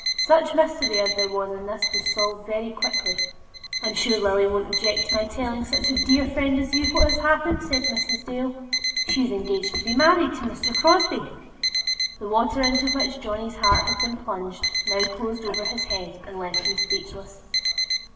Such mystery as there was in this was solved very quickly. "I'm sure Lily won't object to my telling such a dear friend as you what has happened," said Mrs. Dale. "She is engaged to be married to Mr. Crosbie." The water into which Johnny's heart had been plunged now closed over his head and left him speechless.